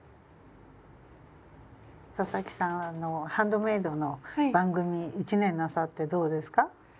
佐々木さんはハンドメイドの番組１年なさってどうですか？